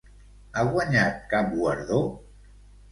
Ha guanyat cap guardó?